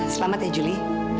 selamat ya juli